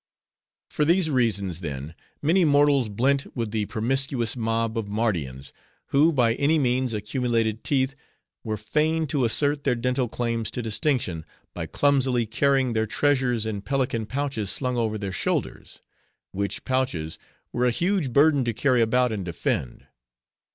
For these reasons, then, many mortals blent with the promiscuous mob of Mardians, who, by any means, accumulated teeth, were fain to assert their dental claims to distinction, by clumsily carrying their treasures in pelican pouches slung over their shoulders; which pouches were a huge burden to carry about, and defend.